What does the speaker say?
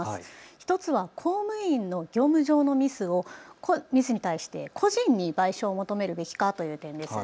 １つは公務員の業務上のミスに対して個人に賠償を求めるべきかという点です。